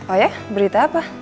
oh ya berita apa